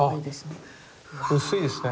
あ薄いですね。